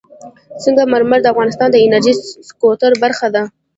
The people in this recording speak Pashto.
سنگ مرمر د افغانستان د انرژۍ سکتور برخه ده.